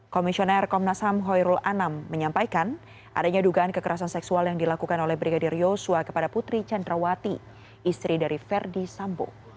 komisioner komnas ham hoyrul anam menyampaikan adanya dugaan kekerasan seksual yang dilakukan oleh brigadir yosua kepada putri candrawati istri dari verdi sambo